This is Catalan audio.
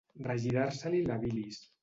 Regirar-se-li la bilis.